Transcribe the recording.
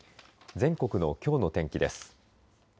全国のきょうの天気です。